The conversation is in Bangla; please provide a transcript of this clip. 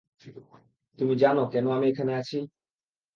তুমি জানো কেন আমি এখানে আছি?